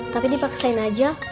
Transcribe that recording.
tapi dipaksain aja